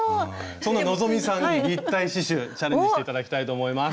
そんな希さんに立体刺しゅうチャレンジして頂きたいと思います。